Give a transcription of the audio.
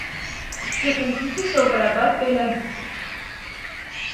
Ձկնկիթը սովորաբար պելագիկ է։